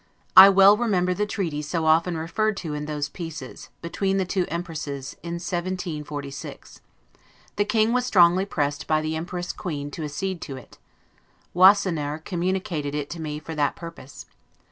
I well remember the treaty so often referred to in those pieces, between the two Empresses, in 1746. The King was strongly pressed by the Empress Queen to accede to it. Wassenaer communicated it to me for that purpose.